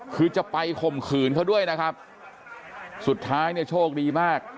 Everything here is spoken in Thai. คือจะไปข่มขืนเขาด้วยนะครับสุดท้ายเนี่ยโชคดีมาก